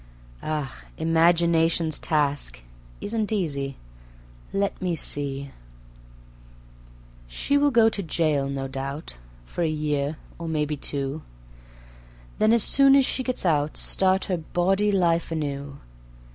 Ah! Imagination's task Isn't easy ... let me see ... She will go to jail, no doubt, For a year, or maybe two; Then as soon as she gets out Start her bawdy life anew.